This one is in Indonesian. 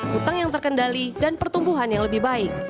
hutang yang terkendali dan pertumbuhan yang lebih baik